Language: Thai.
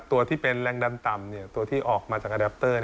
ตัวที่เป็นแรงดันต่ำตัวที่ออกมาจากแอดัปเตอร์